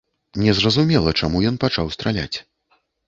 Незразумела, чаму ён пачаў страляць.